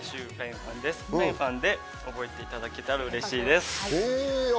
フェンファンで覚えていただけたら嬉しいです。